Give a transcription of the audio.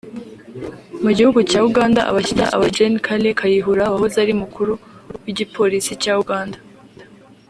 Mu gihugu cya Uganda abashyigikiye Gen Kale Kayihura wahoze ari umukuru w’Igipolisi cya Uganda